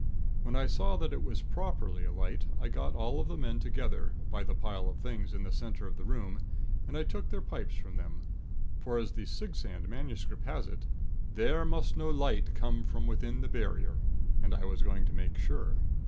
When I saw that it was properly alight, I got all the men together, by the pile of things in the center of the room, and took their pipes from them; for, as the Sigsand MS. has it: 'Theyre must noe lyght come from wythin the barryier.' And I was going to make sure.